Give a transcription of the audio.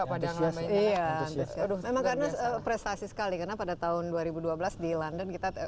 pada yang lama ini memang karena prestasi sekali karena pada tahun dua ribu dua belas di london kita